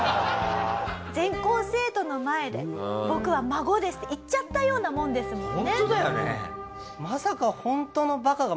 全校生徒の前で「僕は孫です」って言っちゃったようなものですもんね。